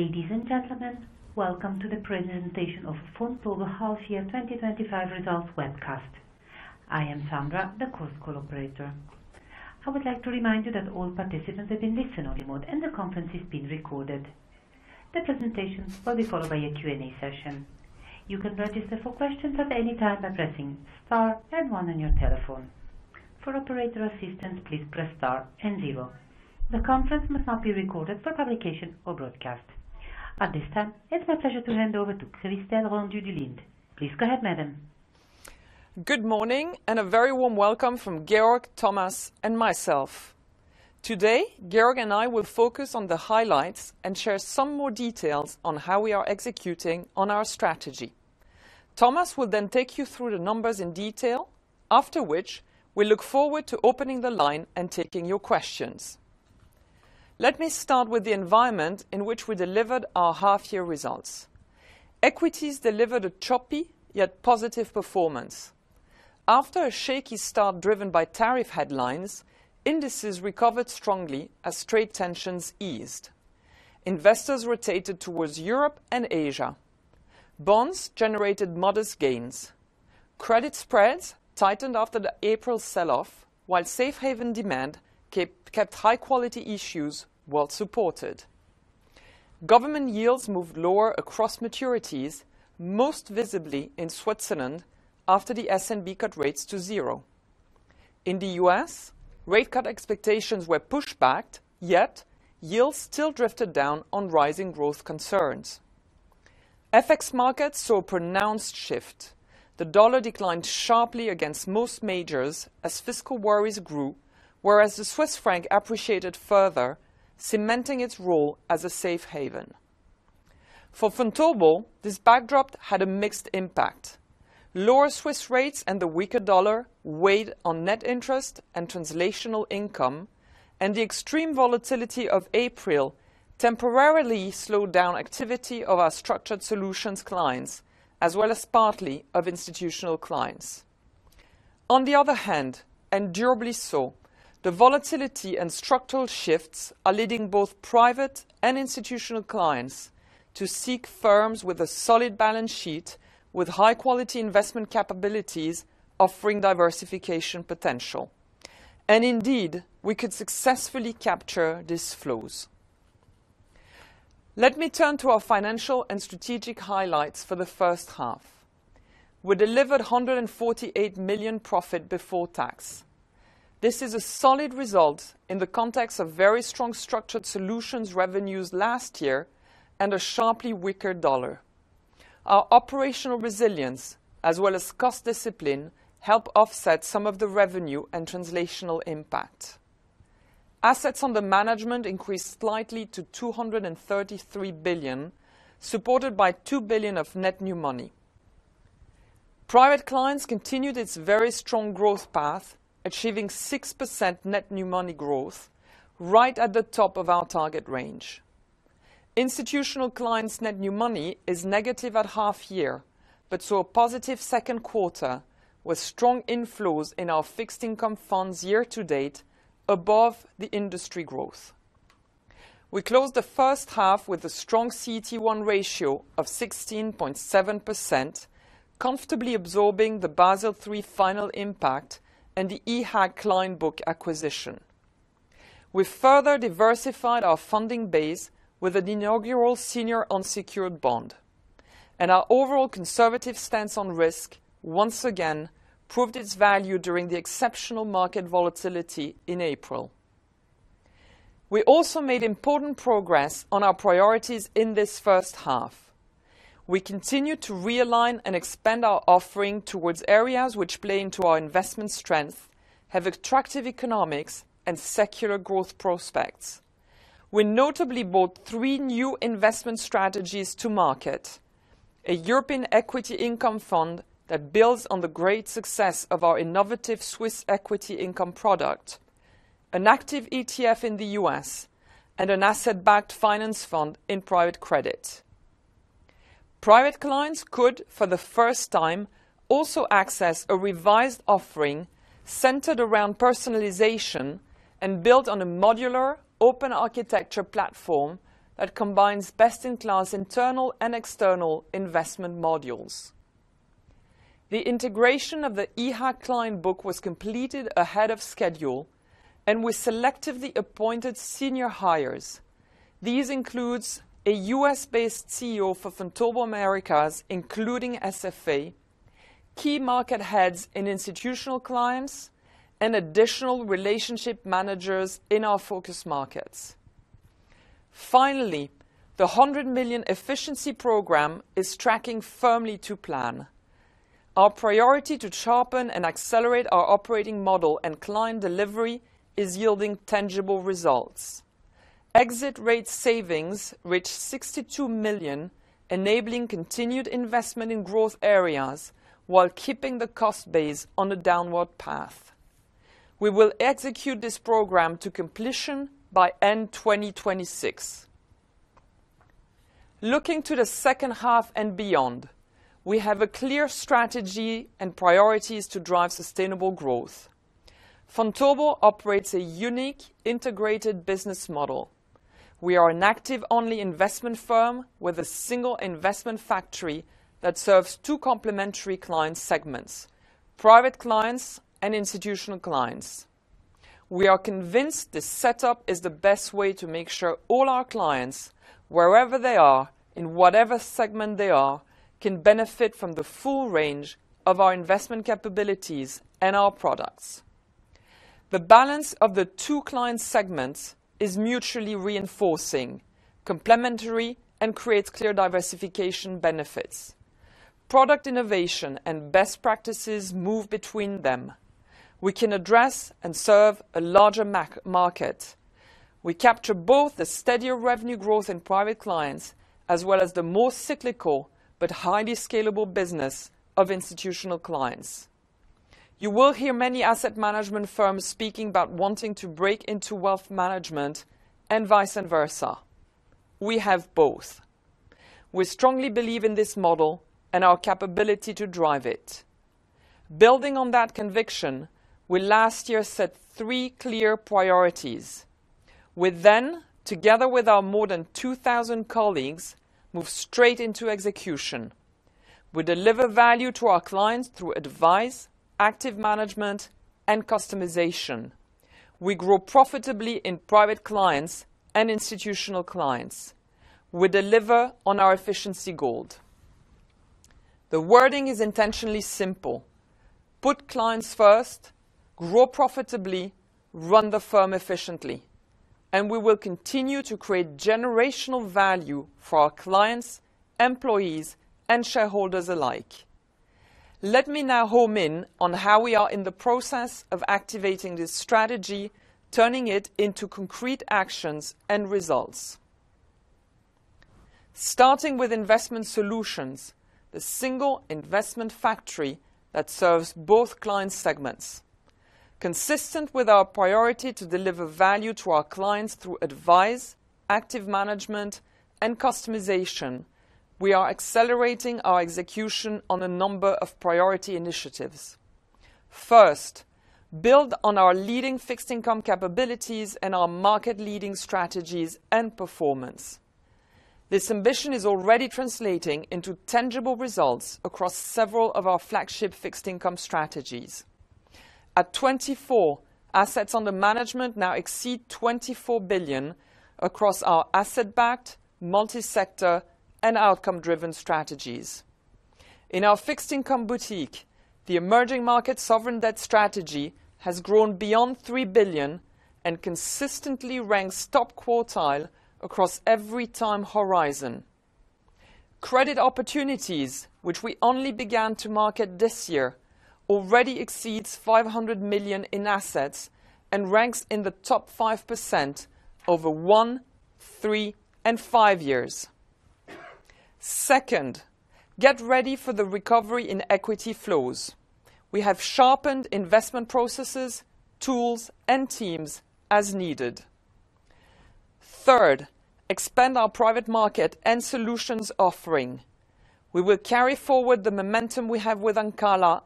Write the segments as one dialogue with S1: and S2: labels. S1: Ladies and gentlemen, welcome to the presentation of the Fontobah Half Year twenty twenty five Results Webcast. I am Sandra, the Chorus Call operator. I would like to remind you that all participants are in listen only mode and the conference is being recorded. The presentation will be followed by a Q and A session. Followed a Q The conference must not be recorded for publication or broadcast. At this time, it's my pleasure to hand over to Cristian Ronjudulent. Please go ahead, madam.
S2: Good morning and a very warm welcome from Georg, Thomas and myself. Today, Georg and I will focus on the highlights and share some more details on how we are executing on our strategy. Thomas will then take you through the numbers in detail, after which we look forward to opening the line and taking your questions. Let me start with the environment in which we delivered our half year results. Equities delivered a choppy yet positive performance. After a shaky start driven by tariff headlines, indices recovered strongly as trade tensions eased. Investors rotated towards Europe and Asia. Bonds generated modest gains. Credit spreads tightened after the April sell off, while safe haven demand kept high quality issues well supported. Government yields moved lower across maturities, most visibly in Switzerland after the S and B cut rates to zero. In The U. S, rate cut expectations were pushed back, yet yields still drifted down on rising growth concerns. FX markets saw a pronounced shift. The dollar declined sharply against most majors as fiscal worries grew, whereas the Swiss franc appreciated further, cementing its role as a safe haven. For Fontobo, this backdrop had a mixed impact. Lower Swiss rates and the weaker dollar weighed on net interest and translational income and the extreme volatility of April temporarily slowed down activity of our structured solutions clients as well as partly of institutional clients. On the other hand, and durably so, the volatility and structural shifts are leading both private and institutional clients to seek firms with a solid balance sheet with high quality investment capabilities offering diversification potential. And indeed, we could successfully capture these flows. Let me turn to our financial and strategic highlights for the first half. We delivered 148,000,000 profit before tax. This is a solid result in the context of very strong Structured Solutions revenues last year and a sharply weaker dollar. Our operational resilience as well as cost discipline helped offset some of the revenue and translational impact. Assets under management increased slightly to €233,000,000,000 supported by €2,000,000,000 of net new money. Private clients continued its very strong growth path, achieving 6% net new money growth, right at the top of our target range. Institutional clients' net new money is negative at half year, but saw a positive second quarter with strong inflows in our fixed income funds year to date above the industry growth. We closed the first half with a strong CET1 ratio of 16.7%, comfortably absorbing the Basel III final impact and the EHAG client book acquisition. We further diversified our funding base with an inaugural senior unsecured bond. And our overall conservative stance on risk once again proved its value during the exceptional market volatility in April. We also made important progress on our priorities in this first half. We continue to realign and expand our offering towards areas which play into our investment strength, have attractive economics and secular growth prospects. We notably bought three new investment strategies to market: a European equity income fund that builds on the great success of our innovative Swiss equity income product an active ETF in The U. S. And an asset backed finance fund in private credit. Private clients could, for the first time, also access a revised offering centered around personalization and built on a modular open architecture platform that combines best in class internal and external investment modules. The integration of the EHA Klein book was completed ahead of schedule and we selectively appointed senior hires. These include a U. S.-based CEO for Fontobo Americas, including SFA key market heads in Institutional Clients and additional relationship managers in our focus markets. Finally, the €100,000,000 efficiency program is tracking firmly to plan. Our priority to sharpen and accelerate our operating model and client delivery is yielding tangible results. Exit rate savings reached €62,000,000 enabling continued investment in growth areas while keeping the cost base on a downward path. We will execute this program to completion by end twenty twenty six. Looking to the second half and beyond, we have a clear strategy and priorities to drive sustainable growth. Fontobo operates a unique integrated business model. We are an active only investment firm with a single investment factory that serves two complementary client Private Clients and Institutional Clients. We are convinced this setup is the best way to make sure all our clients, wherever they are, in whatever segment they are, can benefit from the full range of our investment capabilities and our products. The balance of the two client segments is mutually reinforcing, complementary and creates clear diversification benefits. Product innovation and best practices move between them. We can address and serve a larger market. We capture both the steadier revenue growth in Private Clients as well as the more cyclical but highly scalable business of Institutional Clients. You will hear many asset management firms speaking about wanting to break into Wealth Management and vice versa. We have both. We strongly believe in this model and our capability to drive it. Building on that conviction, we last year set three clear priorities. We then, together with our more than 2,000 colleagues, move straight into execution. We deliver value to our clients through advice, active management and customization. We grow profitably in private clients and institutional clients. We deliver on our efficiency goals. The wording is intentionally simple: put clients first, grow profitably, run the firm efficiently. And we will continue to create generational value for our clients, employees and shareholders alike. Let me now home in on how we are in the process of activating this strategy, turning it into concrete actions and results. Starting with Investment Solutions, the single investment factory that serves both client segments. Consistent with our priority to deliver value to our clients through advice, active management and customization, we are accelerating our execution on a number of priority initiatives. First, build on our leading fixed income capabilities and our market leading strategies and performance. This ambition is already translating into tangible results across several of our flagship fixed income strategies. At 24, assets under management now exceed 24,000,000,000 across our asset backed, multi sector and outcome driven strategies. In our fixed income boutique, the emerging market sovereign debt strategy has grown beyond €3,000,000,000 and consistently ranks top quartile across every time horizon. Credit opportunities, which we only began to market this year, already exceeds €500,000,000 in assets and ranks in the top 5% over one, three and five years. Second, get ready for the recovery in equity flows. We have sharpened investment processes, tools and teams as needed. Third, expand our private market and solutions offering. We will carry forward the momentum we have with Ancala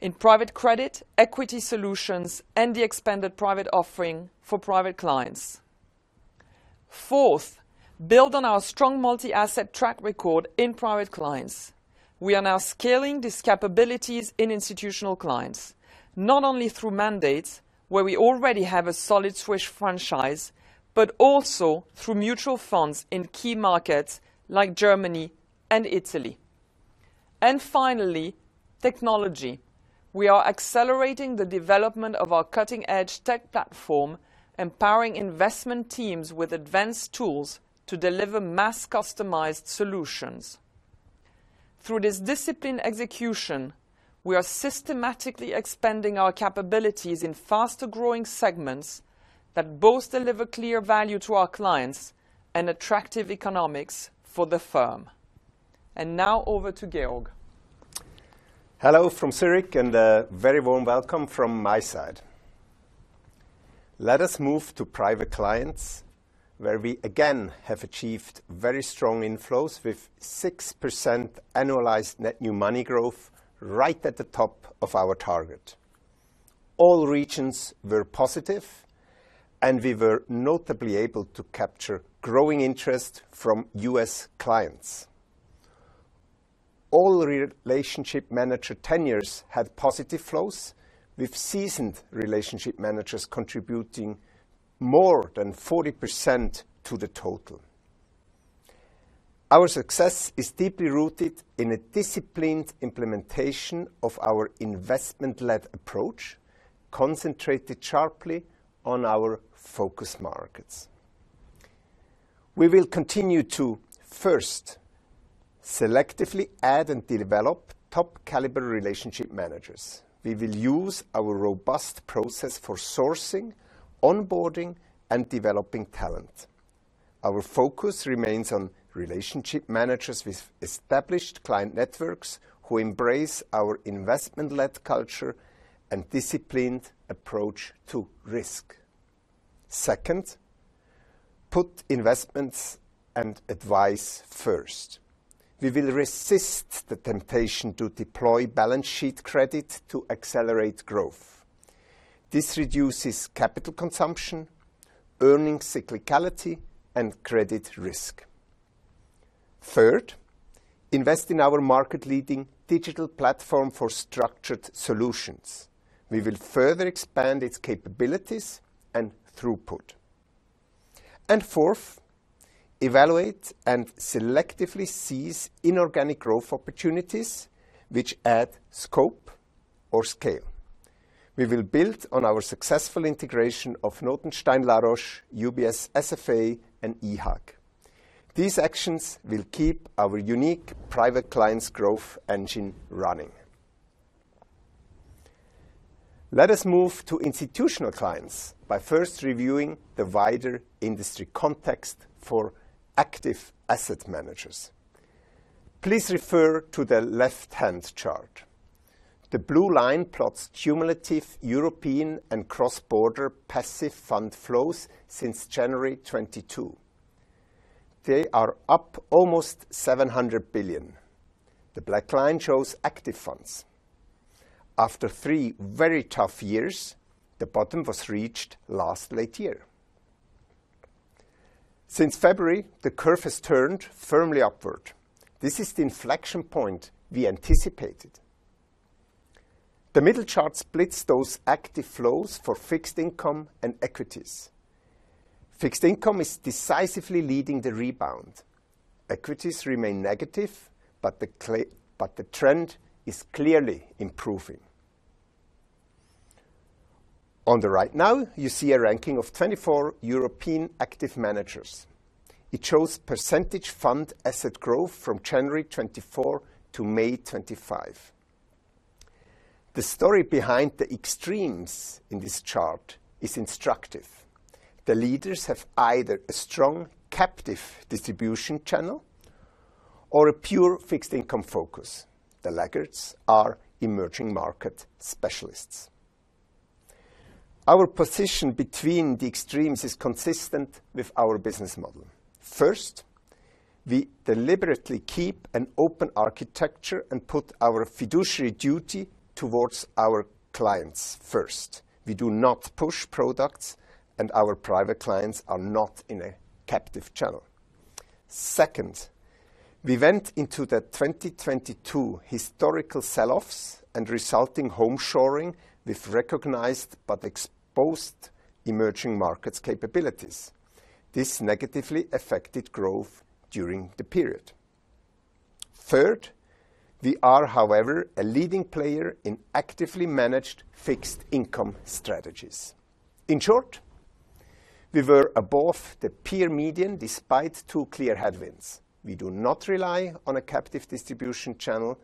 S2: in private credit, equity solutions and the expanded private offering for private clients. Fourth, build on our strong multi asset track record in private clients. We are now scaling these capabilities in institutional clients, not only through mandates where we already have a solid Swiss franchise, but also through mutual funds in key markets like Germany and Italy. And finally, technology. We are accelerating the development of our cutting edge tech platform, empowering investment teams with advanced tools to deliver mass customized solutions. Through this disciplined execution, we are systematically expanding our capabilities in faster growing segments that both deliver clear value to our clients and attractive economics for the firm. And now over to Georg.
S3: Hello from Zurich and a very warm welcome from my side. Let us move to Private Clients, where we again have achieved very strong inflows with 6% annualized net new money growth, right at the top of our target. All regions were positive and we were notably able to capture growing interest from U. S. Clients. All relationship manager tenures had positive flows with seasoned relationship managers contributing more than 40% to the total. Our success is deeply rooted in a disciplined implementation of our investment led approach, concentrated sharply on our focused markets. We will continue to, first, selectively add and develop top caliber relationship managers. We will use our robust process for sourcing, onboarding and developing talent. Our focus remains on relationship managers with established client networks who embrace our investment led culture and disciplined approach to risk. Second, put investments and advice first. We will resist the temptation to deploy balance sheet credit to accelerate growth. This reduces capital consumption, earnings cyclicality and credit risk. Third, invest in our market leading digital platform for structured solutions. We will further expand its capabilities and throughput. And fourth, evaluate and selectively seize inorganic growth opportunities which add scope or scale. We will build on our successful integration of Notenstein Laroch, UBS SFA and eHAG. These actions will keep our unique private clients growth engine running. Let us move to institutional clients by first reviewing the wider industry context for active asset managers. Please refer to the left hand chart. The blue line plots cumulative European and cross border passive fund flows since January 2022. They are up almost billion. The black line shows active funds. After three very tough years, the bottom was reached last late year. Since February, the curve has turned firmly upward. This is the inflection point we anticipated. The middle chart splits those active flows for fixed income and equities. Fixed income is decisively leading the rebound. Equities remain negative, but the trend is clearly improving. On the right now, you see a ranking of 24 European active managers. It shows percentage fund asset growth from January 24 to May 25. The story behind the extremes in this chart is instructive. The leaders have either a strong captive distribution channel or a pure fixed income focus. The laggards are emerging market specialists. Our position between the extremes is consistent with our business model. First, we deliberately keep an open architecture and put our fiduciary duty towards our clients first. We do not push products and our private clients are not in a captive channel. Second, we went into the twenty twenty two historical sell offs and resulting home shoring with recognized but exposed emerging markets capabilities. This negatively affected growth during the period. Third, we are however a leading player in actively managed fixed income strategies. In short, we were above the peer median despite two clear headwinds. We do not rely on a captive distribution channel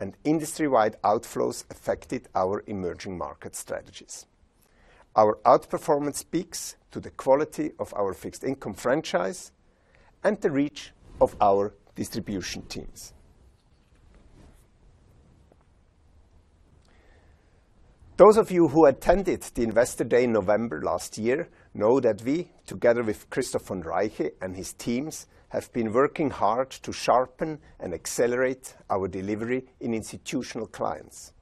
S3: and industry wide outflows affected our emerging market strategies. Our outperformance speaks to the quality of our fixed income franchise and the reach of our distribution teams. Those of you who attended the Investor Day in November know that we, together with Christoph von Reiche and his teams, have been working hard to sharpen and accelerate our delivery in institutional clients.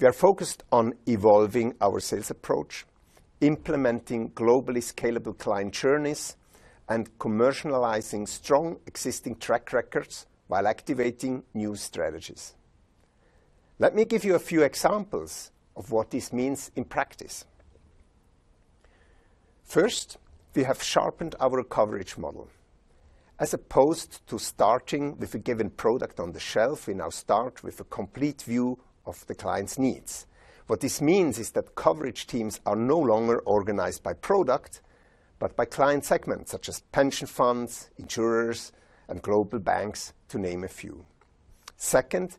S3: We are focused on evolving our sales approach, implementing globally scalable client journeys and commercializing strong existing track records while activating new strategies. Let me give you a few examples of what this means in practice. First, we have sharpened our coverage model. As opposed to starting with a given product on the shelf, we now start with a complete view of the clients' needs. What this means is that coverage teams are no longer organized by product, but by client segments such as pension funds, insurers and global banks to name a few. Second,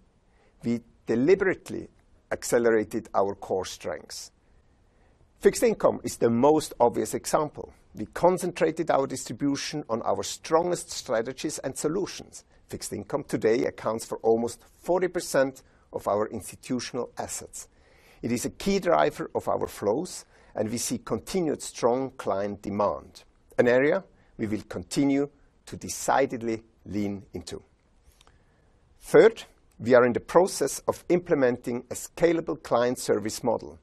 S3: we deliberately accelerated our core strengths. Fixed income is the most obvious example. We concentrated our distribution on our strongest strategies and solutions. Fixed income today accounts for almost 40% of our institutional assets. It is a key driver of our flows and we see continued strong client demand, an area we will continue to decidedly lean into. Third, we are in the process of implementing a scalable client service model.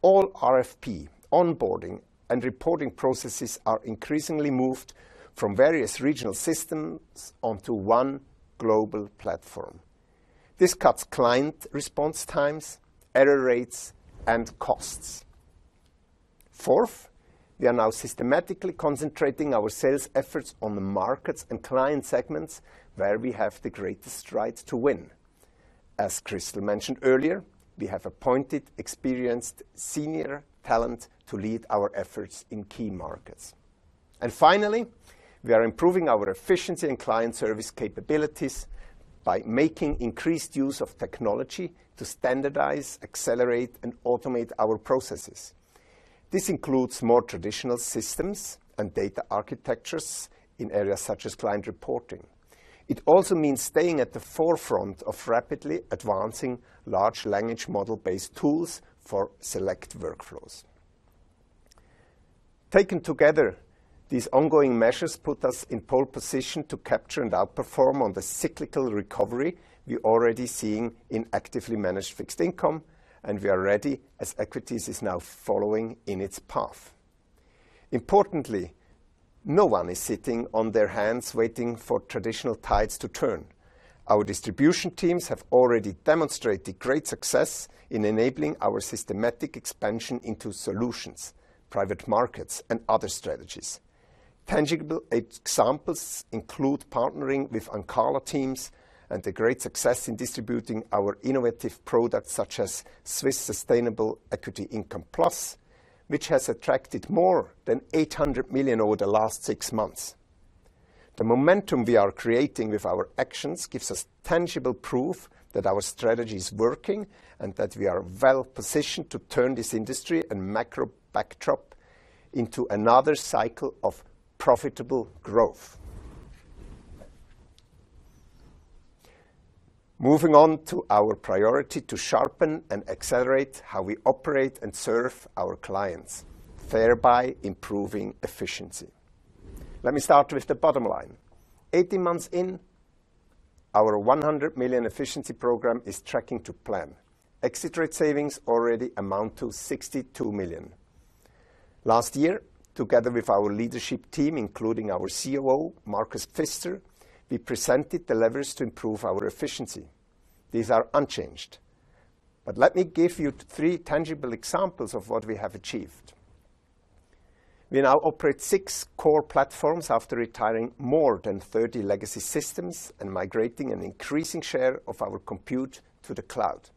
S3: All RFP, onboarding and reporting processes are increasingly moved from various regional systems onto one global platform. This cuts client response times, error rates and costs. Fourth, we are now systematically concentrating our sales efforts on the markets and client segments where we have the greatest strides to win. As Kristel mentioned earlier, we have appointed experienced senior talent to lead our efforts in key markets. And finally, we are improving our efficiency and client service capabilities by making increased use of technology to standardize, accelerate and automate our processes. This includes more traditional systems and data architectures in areas such as client reporting. It also means staying at the forefront of rapidly advancing large language model based tools for select workflows. Taken together, these ongoing measures put us in pole position to capture and outperform on the cyclical recovery we are already seeing in actively managed fixed income and we are ready as Equities is now following in its path. Importantly, no one is sitting on their hands waiting for traditional tides to turn. Our distribution teams have already demonstrated great success in enabling our systematic expansion into solutions, private markets and other strategies. Tangible examples include partnering with Ankala teams and the great success in distributing our innovative products such as Swiss Sustainable Equity Income Plus, which has attracted more than 800,000,000 over the last six months. The momentum we are creating with our actions gives us tangible proof that our strategy is working and that we are well positioned to turn this industry and macro backdrop into another cycle of profitable growth. Moving on to our priority to sharpen and accelerate how we operate and serve our clients, thereby improving efficiency. Let me start with the bottom line. Eighteen months in, our 100,000,000 efficiency program is tracking to plan. Exit rate savings already amount to 62,000,000. Last year, together with our leadership team, including our COO, Markus Pfister, we presented the levers to improve our efficiency. These are unchanged. But let me give you three tangible examples of what we have achieved. We now operate six core platforms after retiring more than 30 legacy systems and migrating an increasing share of our compute to the cloud.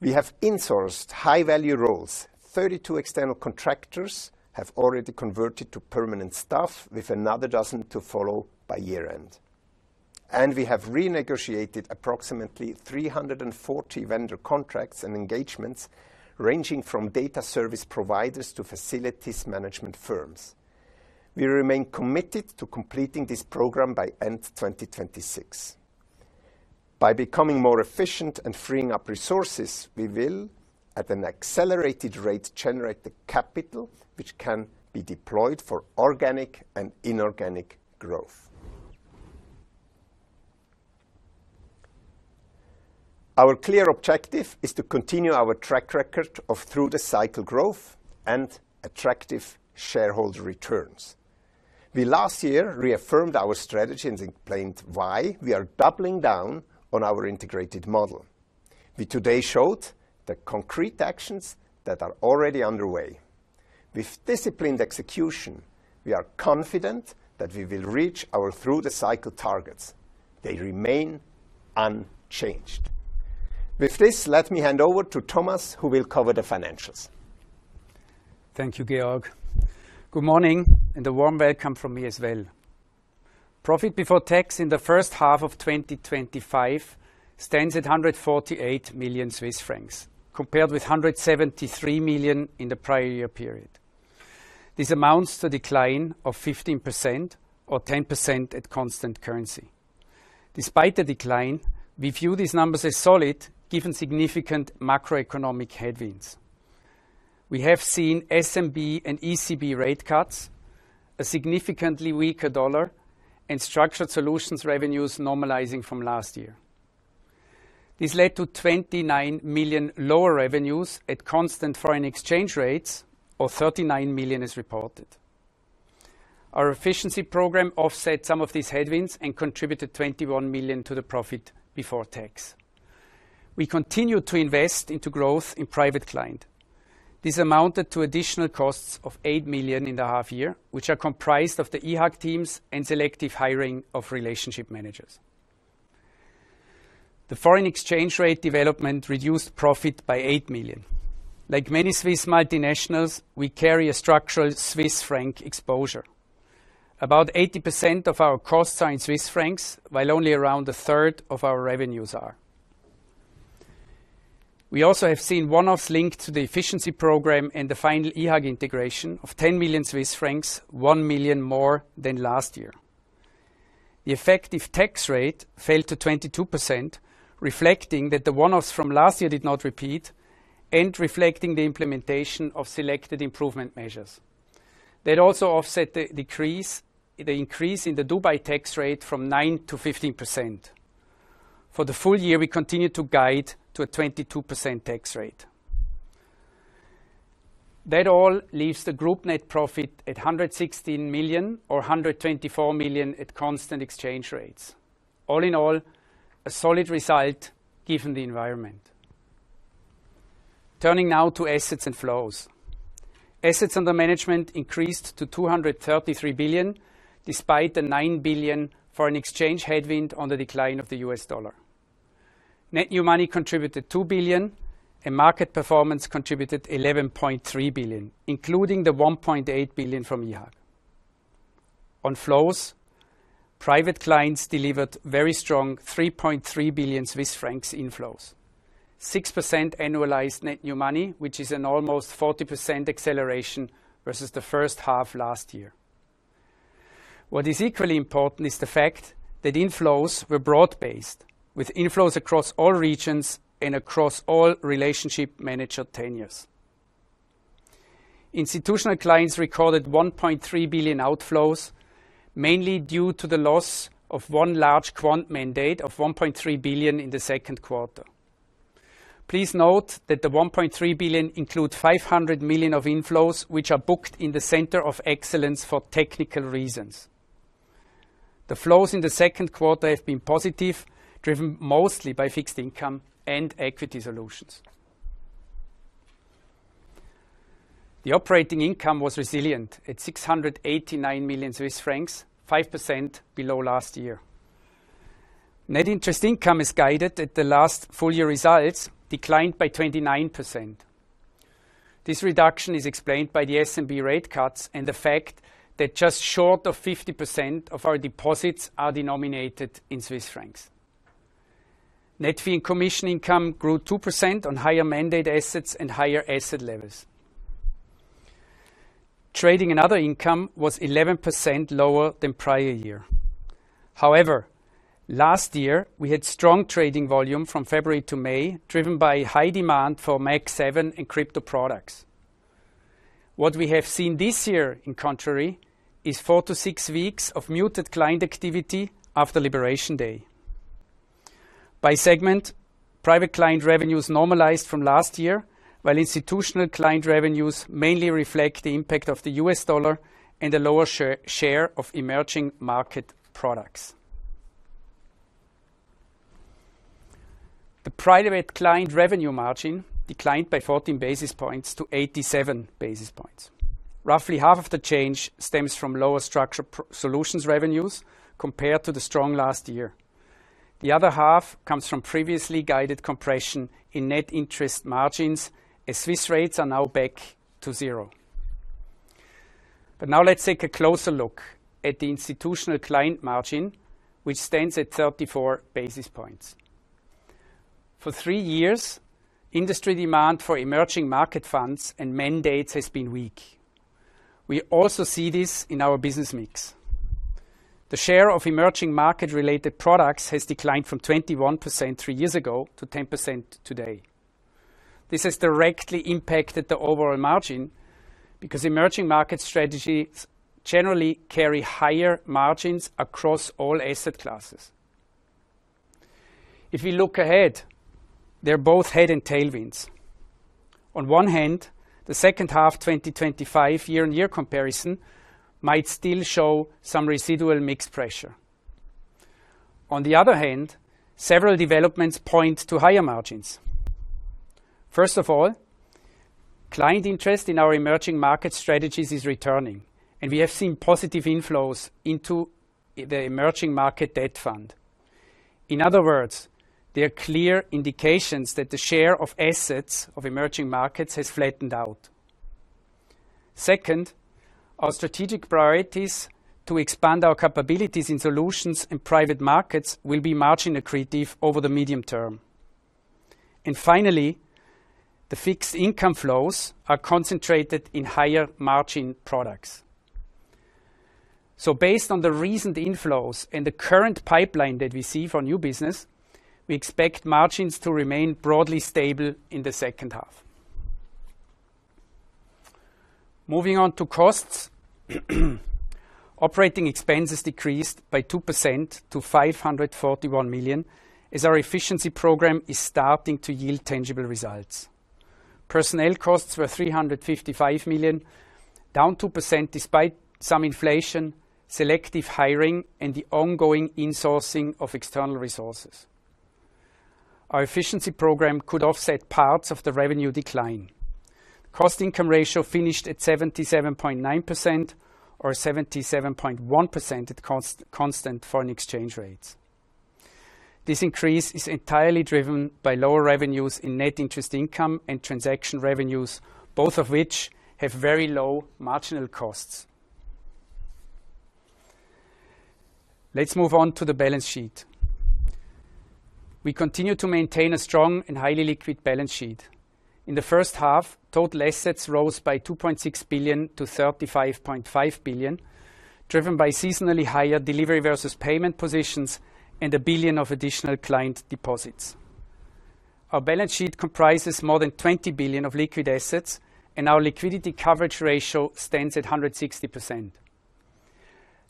S3: We have insourced high value roles. 32 external contractors have already converted to permanent staff with another dozen to follow by year end. And we have renegotiated approximately three forty vendor contracts and engagements ranging from data service providers to facilities management firms. We remain committed to completing this program by end twenty twenty six. By becoming more efficient and freeing up resources, we will, at an accelerated rate, generate the capital, which can be deployed for organic and inorganic growth. Our clear objective is to continue our track record of through the cycle growth and attractive shareholder returns. We last year reaffirmed our strategy and explained why we are doubling down on our integrated model. We today showed the concrete actions that are already underway. With disciplined execution, we are confident that we will reach our through the cycle targets. They remain unchanged. With this, let me hand over to Thomas, who will cover the financials.
S4: Thank you, Georg. Good morning and a warm welcome from me as well. Profit before tax in the 2025 stands at 148 million Swiss francs compared with 173 million in the prior year period. This amounts to decline of 15% or 10% at constant currency. Despite the decline, we view these numbers as solid given significant macroeconomic headwinds. We have seen SMB and ECB rate cuts, a significantly weaker dollar and Structured Solutions revenues normalizing from last year. This led to €29,000,000 lower revenues at constant foreign exchange rates or €39,000,000 is reported. Our efficiency program offset some of these headwinds and contributed €21,000,000 to the profit before tax. We continue to invest into growth in Private Client. This amounted to additional costs of €8,000,000 in the half year, which are comprised of the eHAG teams and selective hiring of relationship managers. The foreign exchange rate development reduced profit by €8,000,000 Like many Swiss multinationals, we carry a structural Swiss franc exposure. About 80% of our costs are in Swiss francs, while only around a third of our revenues are. We also have seen one offs linked to the efficiency program and the final eHAG integration of 10,000,000 Swiss francs, 1,000,000 more than last year. The effective tax rate fell to 22%, reflecting that the one offs from last year did not repeat and reflecting the implementation of selected improvement measures. That also offset the increase in the Dubai tax rate from 9% to 15%. For the full year, we continue to guide to a 22% tax rate. That all leaves the group net profit at €116,000,000 or €124,000,000 at constant exchange rates. All in all, a solid result given the environment. Turning now to assets and flows. Assets under management increased to €233,000,000,000 despite the €9,000,000,000 foreign exchange headwind on the decline of the U. S. Dollar. Net new money contributed 2 billion and market performance contributed 11.3 billion, including the 1.8 billion from Yihag. On flows, private clients delivered very strong billion inflows, 6% annualized net new money, which is an almost 40% acceleration versus the first half last year. What is equally important is the fact that inflows were broad based with inflows across all regions and across all relationship manager tenures. Institutional Clients recorded €1,300,000,000 outflows, mainly due to the loss of one large quant mandate of 1.3 billion in the second quarter. Please note that the 1.3 billion includes 500 million of inflows, which are booked in the center of excellence for technical reasons. The flows in the second quarter have been positive, driven mostly by fixed income and equity solutions. The operating income was resilient at 689 million Swiss francs, 5% below last year. Net interest income as guided at the last full year results declined by 29. This reduction is explained by the SMB rate cuts and the fact that just short of 50% of our deposits are denominated in Swiss francs. Net fee and commission income grew 2% on higher mandate assets and higher asset levels. Trading and other income was 11% lower than prior year. However, last year, we had strong trading volume from February to May, driven by high demand for MAG-seven and crypto products. What we have seen this year in contrary is four to six weeks of muted client activity after Liberation Day. By segment, Private Client revenues normalized from last year, while Institutional Client revenues mainly reflect the impact of the U. S. Dollar and the lower share of emerging market products. The Private Client revenue margin declined by 14 basis points to 87 basis points. Roughly half of the change stems from lower Structured Solutions revenues compared to the strong last year. The other half comes from previously guided compression in net interest margins as Swiss rates are now back to zero. But now let's take a closer look at the institutional client margin, which stands at 34 basis points. For three years, industry demand for emerging market funds and mandates has been weak. We also see this in our business mix. The share of emerging market related products has declined from twenty one percent three years ago to 10% today. This has directly impacted the overall margin, because emerging market strategies generally carry higher margins across all asset classes. If we look ahead, they're both head and tailwinds. On one hand, the second half twenty twenty five year on year comparison might still show some residual mix pressure. On the other hand, several developments point to higher margins. First of all, client interest in our emerging market strategies is returning and we have seen positive inflows into the emerging market debt fund. In other words, there are clear indications that the share of assets of emerging markets has flattened out. Second, our strategic priorities to expand our capabilities in Solutions and Private Markets will be margin accretive over the medium term. And finally, the fixed income flows are concentrated in higher margin products. So based on the recent inflows and the current pipeline that we see for new business, we expect margins to remain broadly stable in the second half. Moving on to costs. Operating expenses decreased by 2% to $541,000,000 as our efficiency program is starting to yield tangible results. Personnel costs were 355 million, down 2% despite some inflation, selective hiring and the ongoing in sourcing of external resources. Our efficiency program could offset parts of the revenue decline. Cost income ratio finished at 77.9% or 77.1% at constant foreign exchange rates. This increase is entirely driven by lower revenues in net interest income and transaction revenues, both of which have very low marginal costs. Let's move on to the balance sheet. We continue to maintain a strong and highly liquid balance sheet. In the first half, total assets rose by €2,600,000,000 to €35,500,000,000 driven by seasonally higher delivery versus payment positions and €1,000,000,000 of additional client deposits. Our balance sheet comprises more than €20,000,000,000 of liquid assets and our liquidity coverage ratio stands at 160%.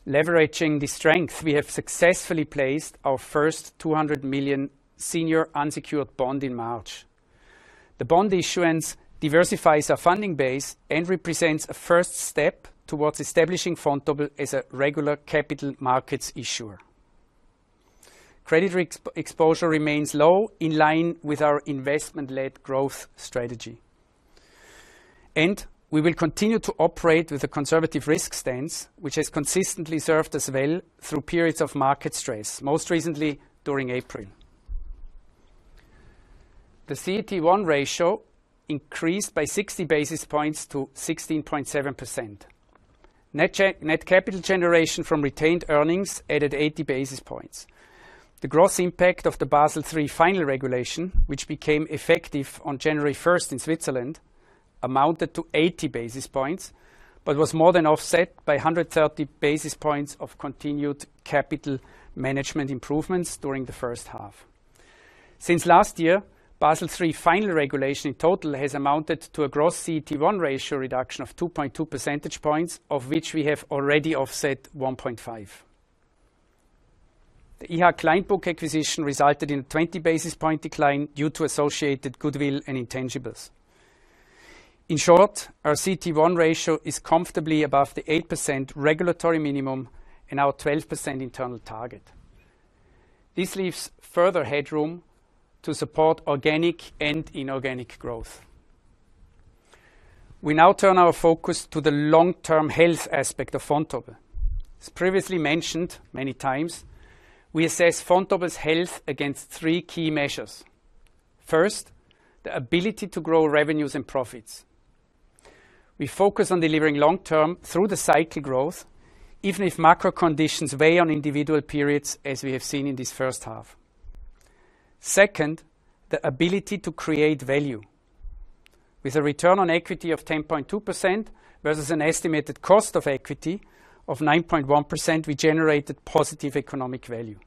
S4: Leveraging the strength, we have successfully placed our first 200,000,000 senior unsecured bond in March. The bond issuance diversifies our funding base and represents a first step towards establishing Fontobel as a regular capital markets issuer. Credit exposure remains low in line with our investment led growth strategy. And we will continue to operate with a conservative risk stance, which has consistently served us well through periods of market stress, most recently during April. The CET1 ratio increased by 60 basis points to 16.7%. Net capital generation from retained earnings added 80 basis points. The gross impact of the Basel III final regulation, which became effective on January 1 in Switzerland, amounted to 80 basis points, but was more than offset by 130 basis points of continued capital management improvements during the first half. Since last year, Basel III final regulation in total has amounted to a gross reduction of 2.2 percentage points, of which we have already offset 1.5. The EHA Kleinbook acquisition resulted in 20 basis point decline due to associated goodwill and intangibles. In short, our CET1 ratio is comfortably above the 8% regulatory minimum and our 12% internal target. This leaves further headroom to support organic and inorganic growth. We now turn our focus to the long term health aspect of Fontobel. As previously mentioned many times, we assess Fontobel's health against three key measures. First, the ability to grow revenues and profits. We focus on delivering long term through the cycle growth, even if macro conditions weigh on individual periods as we have seen in this first half. Second, the ability to create value. With a return on equity of 10.2% versus an estimated cost of equity of 9.1%, we generated positive economic value.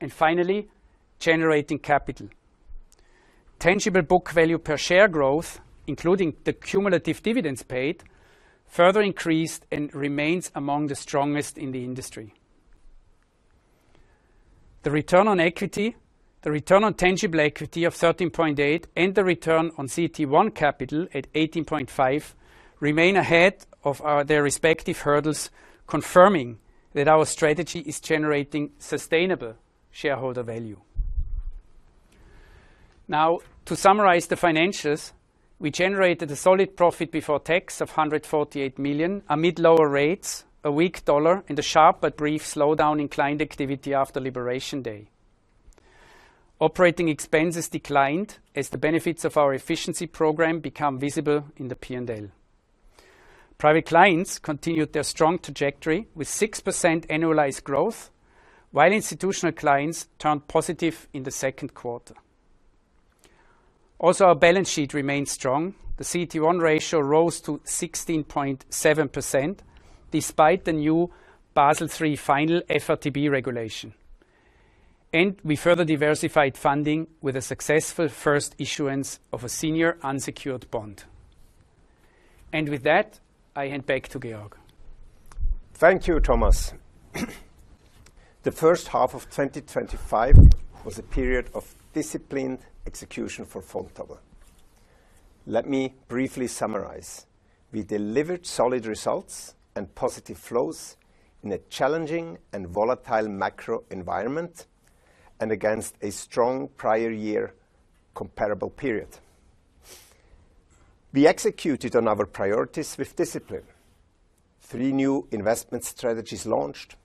S4: And finally, generating capital. Tangible book value per share growth, including the cumulative dividends paid, further increased and remains among the strongest in the industry. The return on equity, the return on tangible equity of 13.8% and the return on CET1 capital at 18.5% remain ahead of their respective hurdles confirming that our strategy is generating sustainable shareholder value. Now to summarize the financials, we generated a solid profit before tax of €148,000,000 amid lower rates, a weak dollar and a sharp, but brief slowdown in client activity after Liberation Day. Operating expenses declined as the benefits of our efficiency program become visible in the P and L. Private Clients continued their strong trajectory with 6% annualized growth, while institutional clients turned positive in the second quarter. Also our balance sheet remains strong. The CET1 ratio rose to 16.7% despite the new Basel III final FRTB regulation. And we further diversified funding with a successful first issuance of a senior unsecured bond. And with that, I hand back to Georg.
S3: Thank you, Thomas. The 2025 was a period of disciplined execution for Fontavel. Let me briefly summarize. We delivered solid results and positive flows in a challenging and volatile macro environment and against a strong prior year comparable period. We executed on our priorities with discipline. Three new investment strategies launched,